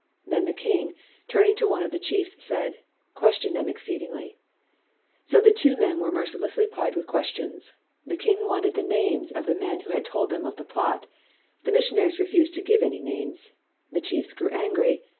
Then the king, turning to one of the chiefs, said, "Question them exceedingly." So the two men were mercilessly plied with questions. The king wanted the names of the men who had told them of the plot. The missionaries refused to give any names. The chiefs grew angry.